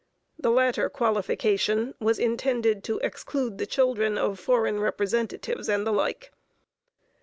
The latter qualification was intended to exclude the children of foreign representatives and the like.